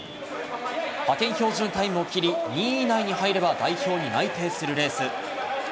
派遣標準タイムを切り２位以内に入れば代表に内定するレース。